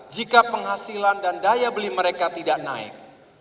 jika penghasilan dan daya beli mereka tidak naik